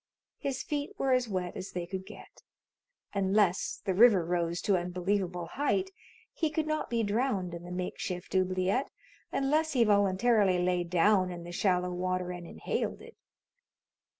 His feet were as wet as they could get. Unless the river rose to unbelievable height, he could not be drowned in the makeshift oubliette, unless he voluntarily lay down in the shallow water and inhaled it.